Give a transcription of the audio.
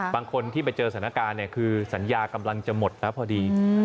บางคนที่มาเจอศาลการนี่บังคับคือสัญญากำลังจะหมดแล้วพอดี